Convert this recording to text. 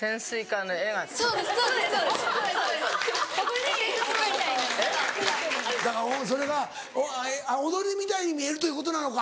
・ここに・だからそれが踊りみたいに見えるということなのか。